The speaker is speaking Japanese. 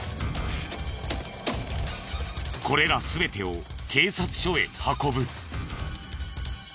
これら全てを警察署へ運ぶ。